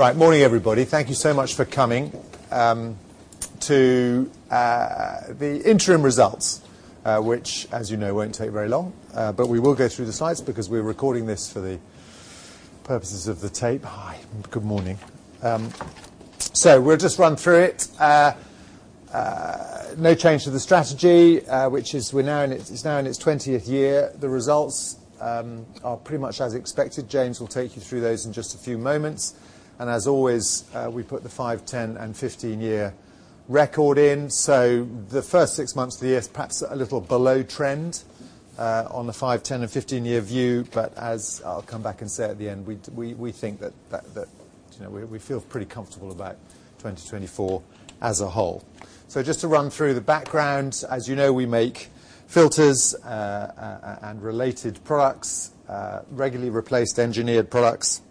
Right, morning everybody. Thank you so much for coming to the interim results, which, as you know, won't take very long. But we will go through the slides because we're recording this for the purposes of the tape. Hi, good morning. So we'll just run through it. No change to the strategy, which is we're now in its 20th year. The results are pretty much as expected. James will take you through those in just a few moments. And as always, we put the five, 10, and 15-year record in. So the first six months of the year, perhaps a little below trend, on the five, 10, and 15-year view. But as I'll come back and say at the end, we think that, you know, we feel pretty comfortable about 2024 as a whole. So just to run through the background, as you know, we make filters, and related products, regularly replaced engineered products.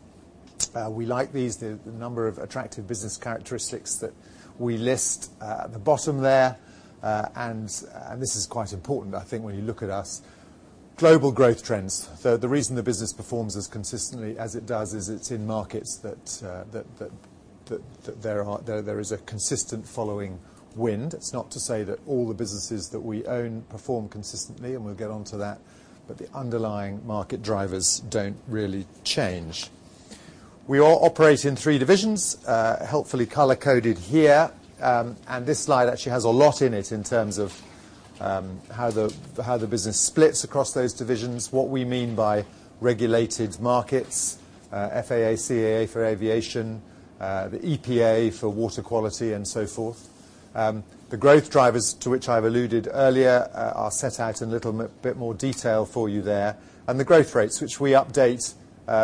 We like these, the number of attractive business characteristics that we list, at the bottom there. And this is quite important, I think, when you look at us, global growth trends. The reason the business performs as consistently as it does is it's in markets that there is a consistent following wind. It's not to say that all the businesses that we own perform consistently, and we'll get onto that, but the underlying market drivers don't really change. We all operate in three divisions, helpfully color-coded here. This slide actually has a lot in it in terms of how the business splits across those divisions, what we mean by regulated markets, FAA, CAA for aviation, the EPA for water quality, and so forth. The growth drivers to which I've alluded earlier are set out in a little bit more detail for you there. And the growth rates, which we update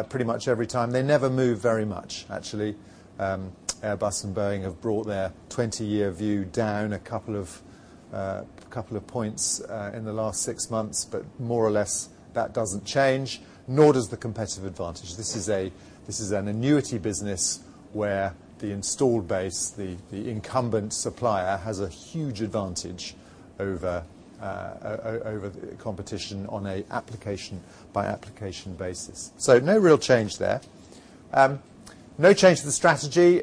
pretty much every time. They never move very much, actually. Airbus and Boeing have brought their 20-year view down a couple of points in the last six months, but more or less that doesn't change, nor does the competitive advantage. This is an annuity business where the installed base, the incumbent supplier has a huge advantage over the competition on a application-by-application basis. So no real change there. No change to the strategy.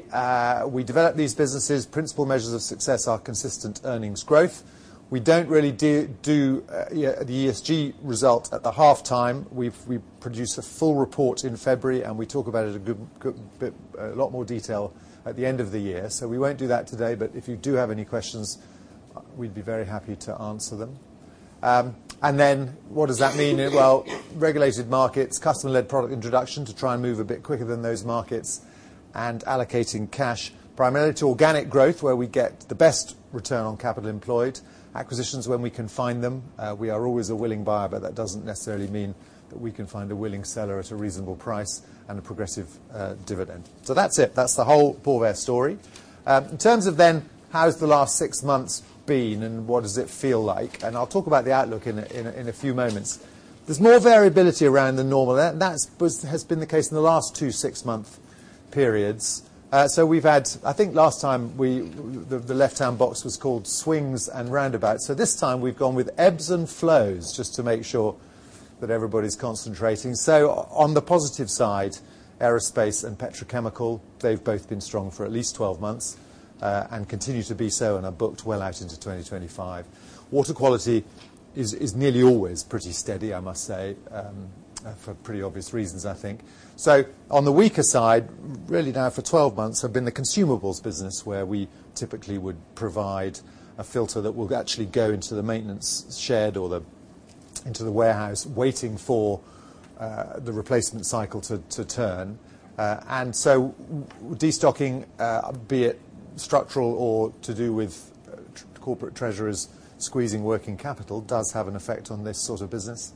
We develop these businesses. Principal measures of success are consistent earnings growth. We don't really do the ESG result at the half time. We produce a full report in February, and we talk about it a good bit, a lot more detail at the end of the year. So we won't do that today, but if you do have any questions, we'd be very happy to answer them. And then what does that mean? Well, regulated markets, customer-led product introduction to try and move a bit quicker than those markets, and allocating cash primarily to organic growth where we get the best return on capital employed, acquisitions when we can find them. We are always a willing buyer, but that doesn't necessarily mean that we can find a willing seller at a reasonable price and a progressive dividend. So that's it. That's the whole Porvair story. In terms of then, how's the last six months been and what does it feel like, and I'll talk about the outlook in, in, in a few moments. There's more variability around the normal, and that's what has been the case in the last two six-month periods. So we've had, I think last time we, the left-hand box was called swings and roundabouts. So this time we've gone with ebbs and flows just to make sure that everybody's concentrating. So on the positive side, aerospace and petrochemical, they've both been strong for at least 12 months, and continue to be so and are booked well out into 2025. Water quality is nearly always pretty steady, I must say, for pretty obvious reasons, I think. So on the weaker side, really, now for 12 months have been the consumables business where we typically would provide a filter that will actually go into the maintenance shed or into the warehouse waiting for the replacement cycle to turn. And so destocking, be it structural or to do with corporate treasurers squeezing working capital, does have an effect on this sort of business.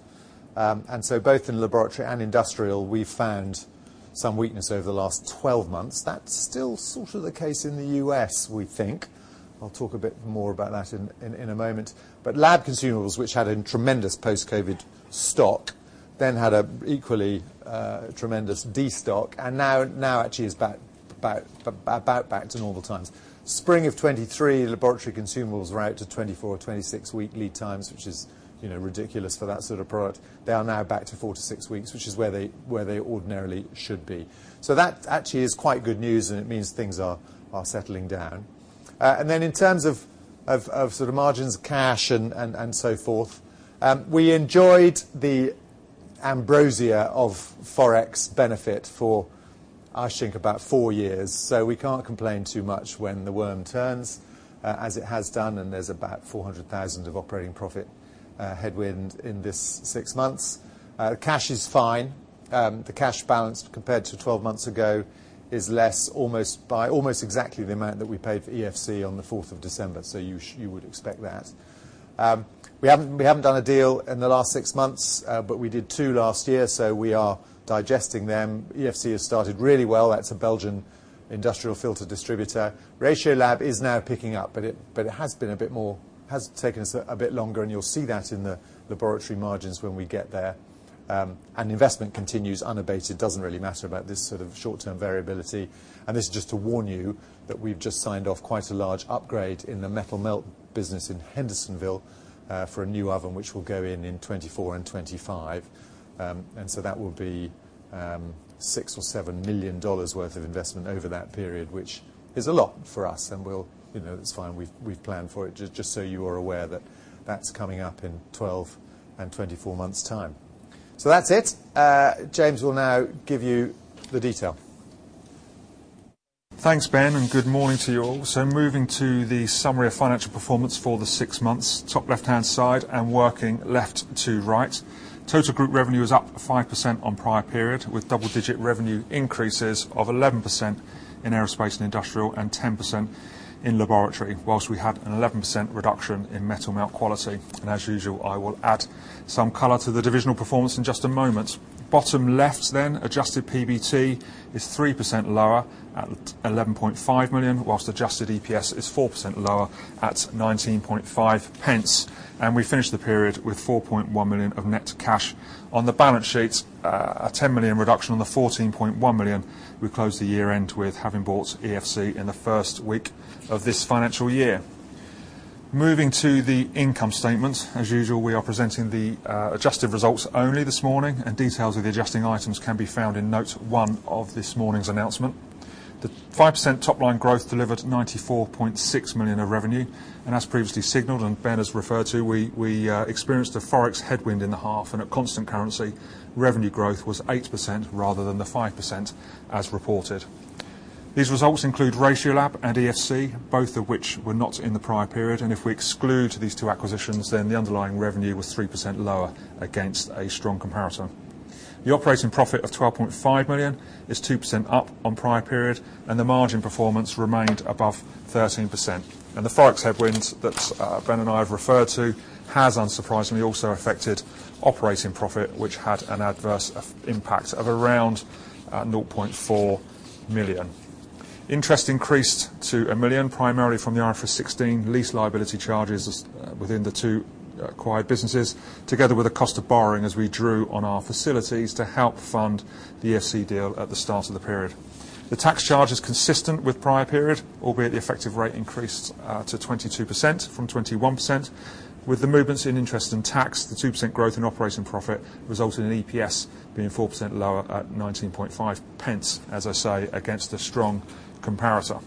And so both in laboratory and industrial, we've found some weakness over the last 12 months. That's still sort of the case in the U.S., we think. I'll talk a bit more about that in a moment. But lab consumables, which had a tremendous post-COVID stock, then had an equally tremendous destock, and now actually is back to normal times. Spring of 2023, laboratory consumables were out to 24 or 26 week lead times, which is, you know, ridiculous for that sort of product. They are now back to 4 weeks-6 weeks, which is where they ordinarily should be. So that actually is quite good news, and it means things are settling down. And then in terms of sort of margins, cash, and so forth, we enjoyed the ambrosia of Forex benefit for, I think, about 4 years. So we can't complain too much when the worm turns, as it has done, and there's about 400,000 of operating profit headwind in this six months. Cash is fine. The cash balance compared to 12 months ago is less by almost exactly the amount that we paid for EFC on the 4th of December, so you would expect that. We haven't done a deal in the last six months, but we did two last year, so we are digesting them. EFC has started really well. That's a Belgian industrial filter distributor. Ratiolab is now picking up, but it has been a bit more, has taken us a bit longer, and you'll see that in the laboratory margins when we get there. Investment continues unabated. It doesn't really matter about this sort of short-term variability. This is just to warn you that we've just signed off quite a large upgrade in the metal melt business in Hendersonville, for a new oven, which will go in in 2024 and 2025. So that will be $6 million-$7 million worth of investment over that period, which is a lot for us, and we'll, you know, it's fine. We've planned for it, just so you are aware that that's coming up in 12 and 24 months' time. So that's it. James will now give you the detail. Thanks, Ben, and good morning to you all. So moving to the summary of financial performance for the six months, top left-hand side and working left to right. Total group revenue is up 5% on prior period with double-digit revenue increases of 11% in aerospace and industrial and 10% in laboratory, whilst we had an 11% reduction in metal melt quality. And as usual, I will add some color to the divisional performance in just a moment. Bottom left then, adjusted PBT is 3% lower at 11.5 million, whilst adjusted EPS is 4% lower at 0.195. And we finished the period with 4.1 million of net cash. On the balance sheet, a 10 million reduction on the 14.1 million. We closed the year-end with having bought EFC in the first week of this financial year. Moving to the income statement, as usual, we are presenting the adjusted results only this morning, and details of the adjusting items can be found in note one of this morning's announcement. The 5% top-line growth delivered 94.6 million of revenue. And as previously signaled and Ben has referred to, we experienced a Forex headwind in the half, and at constant currency, revenue growth was 8% rather than the 5% as reported. These results include Ratiolab and EFC, both of which were not in the prior period. And if we exclude these two acquisitions, then the underlying revenue was 3% lower against a strong comparator. The operating profit of 12.5 million is 2% up on prior period, and the margin performance remained above 13%. The forex headwind that Ben and I have referred to has, unsurprisingly, also affected operating profit, which had an adverse impact of around 0.4 million. Interest increased to 1 million, primarily from the IFRS 16 lease liability charges within the two acquired businesses, together with the cost of borrowing as we drew on our facilities to help fund the EFC deal at the start of the period. The tax charge is consistent with prior period, albeit the effective rate increased to 22% from 21%. With the movements in interest and tax, the 2% growth in operating profit resulted in EPS being 4% lower at 0.195, as I say, against a strong comparator.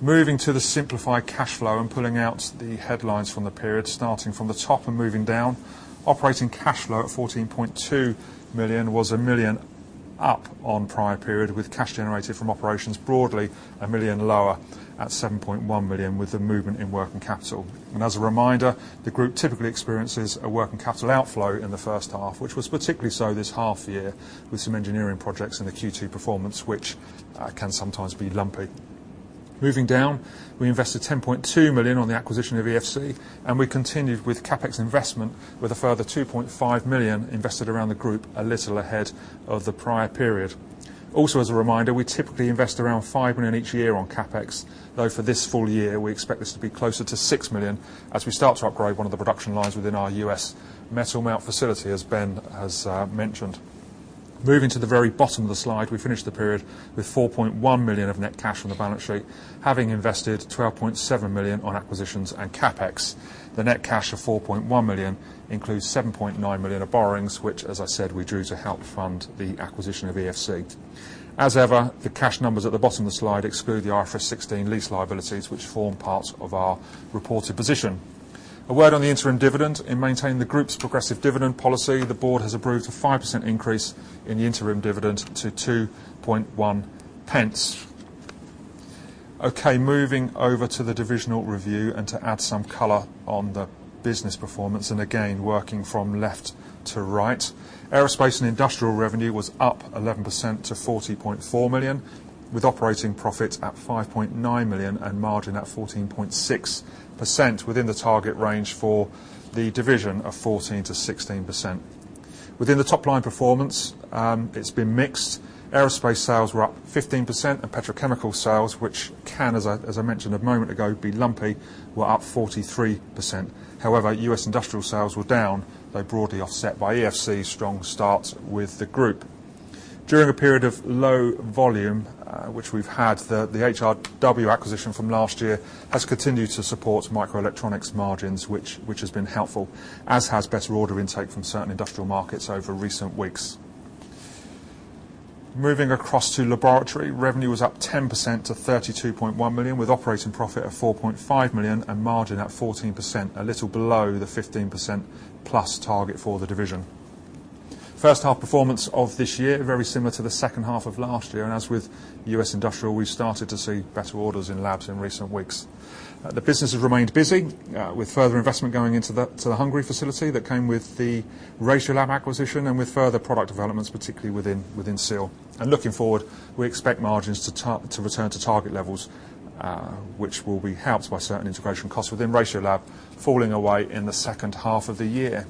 Moving to the simplified cash flow and pulling out the headlines from the period, starting from the top and moving down, operating cash flow at 14.2 million was 1 million up on prior period, with cash generated from operations broadly 1 million lower at 7.1 million with the movement in working capital. And as a reminder, the group typically experiences a working capital outflow in the first half, which was particularly so this half year with some engineering projects in the Q2 performance, which, can sometimes be lumpy. Moving down, we invested 10.2 million on the acquisition of EFC, and we continued with CapEx investment with a further 2.5 million invested around the group, a little ahead of the prior period. Also, as a reminder, we typically invest around 5 million each year on CapEx, though for this full year, we expect this to be closer to 6 million as we start to upgrade one of the production lines within our U.S. metal melt facility, as Ben has mentioned. Moving to the very bottom of the slide, we finished the period with 4.1 million of net cash on the balance sheet, having invested 12.7 million on acquisitions and CapEx. The net cash of 4.1 million includes 7.9 million of borrowings, which, as I said, we drew to help fund the acquisition of EFC. As ever, the cash numbers at the bottom of the slide exclude the IFRS 16 lease liabilities, which form parts of our reported position. A word on the interim dividend. In maintaining the group's progressive dividend policy, the board has approved a 5% increase in the interim dividend to 2.1 pence. Okay, moving over to the divisional review and to add some color on the business performance, and again, working from left to right. Aerospace and industrial revenue was up 11% to 40.4 million, with operating profit at 5.9 million and margin at 14.6% within the target range for the division of 14%-16%. Within the top-line performance, it's been mixed. Aerospace sales were up 15%, and petrochemical sales, which can, as I mentioned a moment ago, be lumpy, were up 43%. However, U.S. industrial sales were down, though broadly offset by EFC's strong start with the group. During a period of low volume, which we've had, the HRW acquisition from last year has continued to support microelectronics margins, which has been helpful, as has better order intake from certain industrial markets over recent weeks. Moving across to laboratory, revenue was up 10% to 32.1 million, with operating profit of 4.5 million and margin at 14%, a little below the 15% plus target for the division. First half performance of this year, very similar to the second half of last year. And as with U.S. industrial, we've started to see better orders in labs in recent weeks. The business has remained busy, with further investment going into the Hungary facility that came with the Ratiolab acquisition and with further product developments, particularly within SEAL. Looking forward, we expect margins to return to target levels, which will be helped by certain integration costs within Ratiolab falling away in the second half of the year.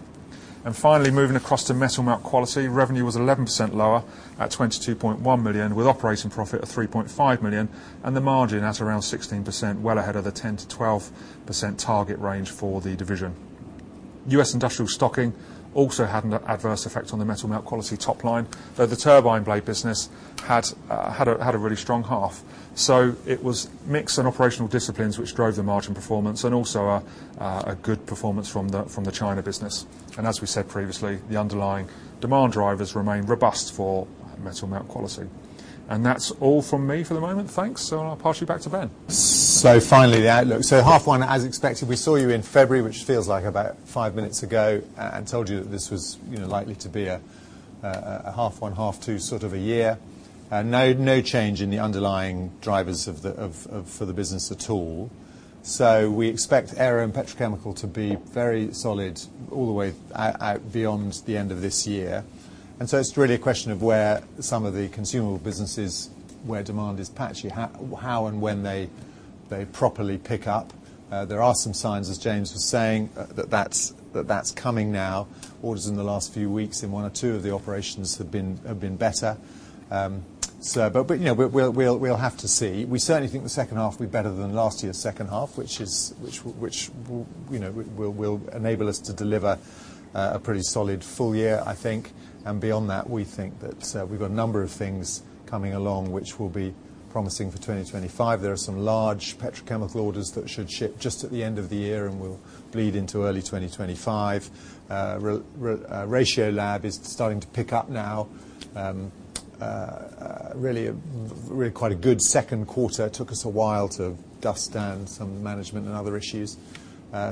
Finally, moving across to metal melt quality, revenue was 11% lower at 22.1 million, with operating profit of 3.5 million and the margin at around 16%, well ahead of the 10%-12% target range for the division. U.S. industrial stocking also had an adverse effect on the metal melt quality top line, though the turbine blade business had a really strong half. So it was mix and operational disciplines which drove the margin performance and also a good performance from the China business. And as we said previously, the underlying demand drivers remain robust for metal melt quality. And that's all from me for the moment. Thanks. I'll pass you back to Ben. So finally, the outlook. So half one, as expected, we saw you in February, which feels like about five minutes ago, and told you that this was, you know, likely to be a half one, half two sort of a year. No change in the underlying drivers of the business at all. So we expect aero and petrochemical to be very solid all the way out beyond the end of this year. And so it's really a question of where some of the consumable businesses, where demand is patchy, how and when they properly pick up. There are some signs, as James was saying, that that's coming now. Orders in the last few weeks in one or two of the operations have been better. So, but, you know, we'll have to see. We certainly think the second half will be better than last year's second half, which will, you know, enable us to deliver a pretty solid full year, I think. And beyond that, we think that we've got a number of things coming along which will be promising for 2025. There are some large petrochemical orders that should ship just at the end of the year and will bleed into early 2025. Ratiolab is starting to pick up now, really quite a good second quarter. It took us a while to dust down some management and other issues,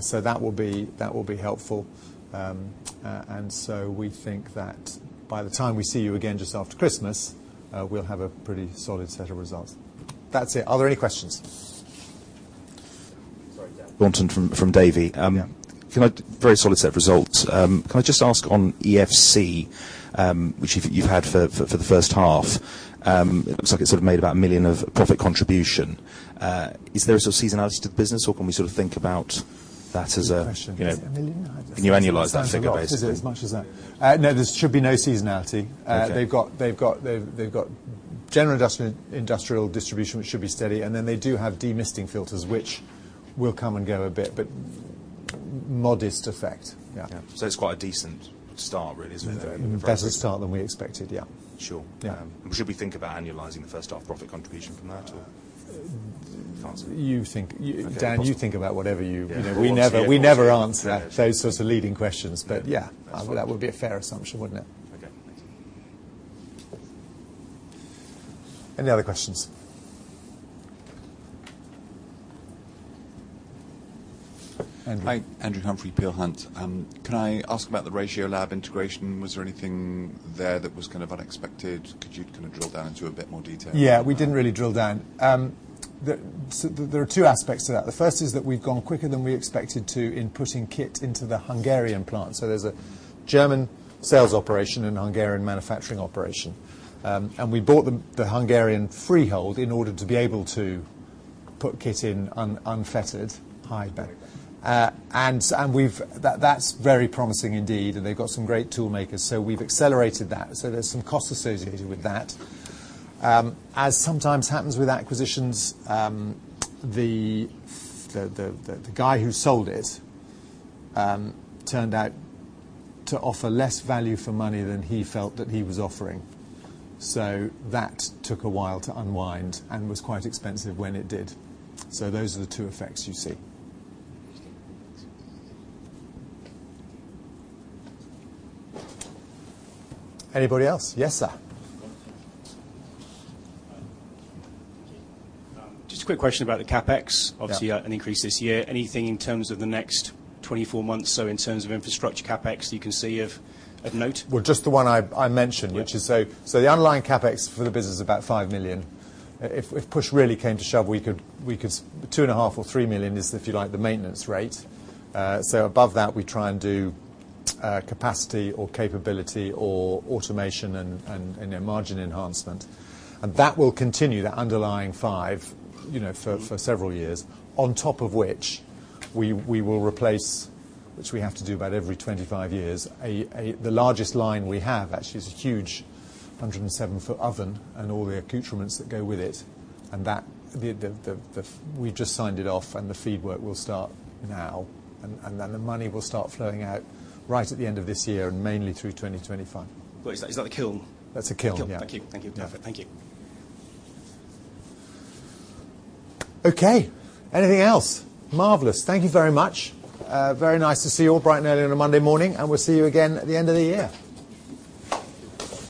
so that will be helpful. And so we think that by the time we see you again just after Christmas, we'll have a pretty solid set of results. That's it. Are there any questions? Dan Dalton from Davy. Yeah. Can I very solid set of results. Can I just ask on EFC, which you've had for the first half, it looks like it's sort of made about 1 million of profit contribution. Is there a sort of seasonality to the business, or can we sort of think about that as a, you know? Can you annualize that figure, basically? It's not as much as that. No, there should be no seasonality. They've got general industrial, industrial distribution, which should be steady. And then they do have demisting filters, which will come and go a bit, but modest effect. Yeah. Yeah. So it's quite a decent start, really, isn't it? Yeah. Better start than we expected. Yeah. Sure. Yeah. Should we think about annualizing the first half profit contribution from that, or? You think, Dan, you think about whatever, you know, we never answer those sorts of leading questions. But yeah, that would be a fair assumption, wouldn't it? Okay. Thanks. Any other questions? Andrew? Hi, Andrew Humphrey, Peel Hunt. Can I ask about the Ratiolab integration? Was there anything there that was kind of unexpected? Could you kind of drill down into a bit more detail? Yeah, we didn't really drill down. So there are two aspects to that. The first is that we've gone quicker than we expected to in putting kit into the Hungarian plant. So there's a German sales operation and Hungarian manufacturing operation. And we bought the Hungarian freehold in order to be able to put kit in unfettered high bay. And, and we've that, that's very promising indeed. And they've got some great toolmakers. So we've accelerated that. So there's some cost associated with that. As sometimes happens with acquisitions, the guy who sold it turned out to offer less value for money than he felt that he was offering. So that took a while to unwind and was quite expensive when it did. So those are the two effects you see. Anybody else? Yes, sir. Just a quick question about the CapEx, obviously, an increase this year. Anything in terms of the next 24 months, so in terms of infrastructure CapEx that you can see of, of note? Well, just the one I mentioned, which is, so the underlying CapEx for the business is about 5 million. If push really came to shove, we could see 2.5 million or 3 million is, if you like, the maintenance rate. So above that, we try and do capacity or capability or automation and, you know, margin enhancement. And that will continue, that underlying five, you know, for several years, on top of which we will replace, which we have to do about every 25 years, the largest line we have actually is a huge 107-foot oven and all the accoutrements that go with it. And that we've just signed it off, and the fit-out work will start now. And then the money will start flowing out right at the end of this year and mainly through 2025. Well, is that, is that the kiln? That's a kiln. Kiln. Thank you. Thank you. Perfect. Thank you. Okay. Anything else? Marvelous. Thank you very much. Very nice to see you all bright and early on a Monday morning, and we'll see you again at the end of the year.